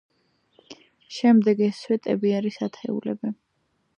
შემდეგ, ეს სვეტები არის ათეულები.